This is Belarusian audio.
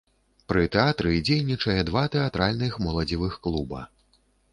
Пры тэатры дзейнічае два тэатральных моладзевых клуба.